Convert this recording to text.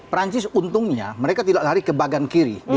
perancis untungnya mereka tidak lari ke bagian kiri